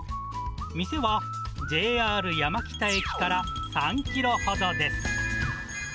店はＪＲ山北駅から３キロほどです。